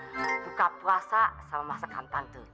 buka puasa sama masakan tante